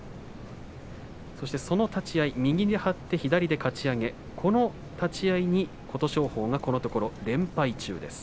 その立ち合い、右で張って左のかち上げそのかち上げに琴勝峰このところ連敗中です。